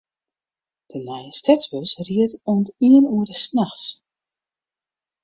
De nije stedsbus rydt oant iene oere nachts.